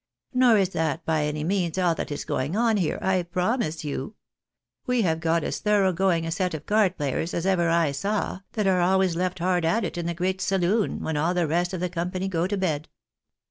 Nor is that by any means all that is going on here, I promise you. We have got as thorough going a set of card players as ever I saw, that are always left hard at it in the great saloon, when all the rest of the company go to bed.